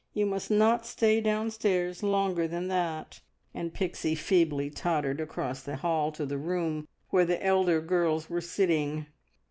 You must not stay downstairs longer than that," and Pixie feebly tottered across the hall to the room where the elder girls were sitting.